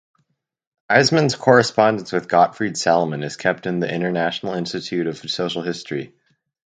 Eisenmann’s correspondence with Gottfried Salomon is kept in the International Institute of Social History.